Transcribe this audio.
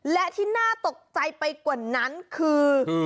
และที่น่าตกใจไปกว่านั้นคือ